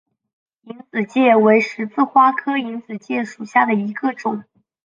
隐子芥为十字花科隐子芥属下的一个种。